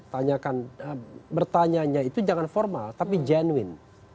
tanyakan bertanyaannya itu jangan formal tapi genuine